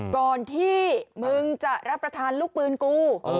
ก่อนที่มึงจะรับประทานลูกปืนกู